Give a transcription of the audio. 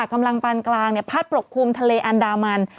กำลังปานกลางพัดปกคลุมทะเลอันดามัน